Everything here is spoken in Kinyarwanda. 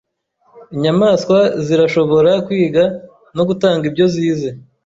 Inyamaswa zirashobora kwiga no gutanga ibyo zize.